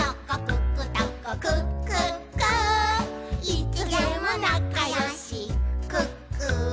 「いつでもなかよしクックー」